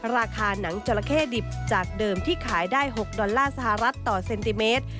ราคาหนังจราเข้ดิบจากเดิมที่ขายได้๖ดอลลาร์สหรัฐต่อเซนติเมตร